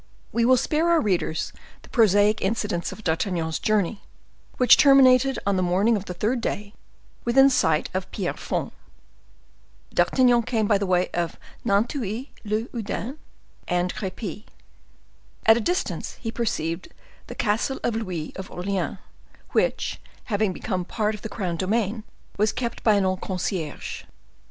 We will spare our readers the prosaic incidents of D'Artagnan's journey, which terminated on the morning of the third day within sight of Pierrefonds. D'Artagnan came by the way of Nanteuil le Haudouin and Crepy. At a distance he perceived the Castle of Louis of Orleans, which, having become part of the crown domain, was kept by an old concierge.